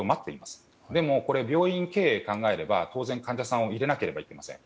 しかし、これは病院の経営を考えれば新しい患者さんを入れなければいけません。